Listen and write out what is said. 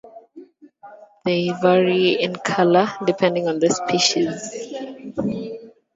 They vary in colour depending on the species.